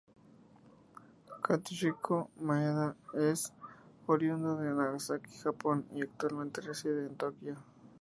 Katsuhiko Maeda es oriundo de Nagasaki, Japón, y actualmente reside en Tokio.